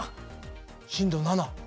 震度７。